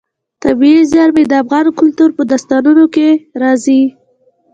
طبیعي زیرمې د افغان کلتور په داستانونو کې راځي.